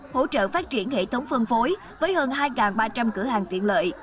hỗ trợ phát triển hệ thống phân phối với hơn hai ba trăm linh cửa hàng tiện lợi